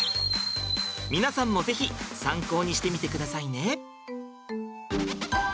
皆さんも是非参考にしてみてくださいね。